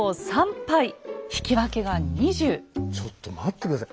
ちょっと待って下さい。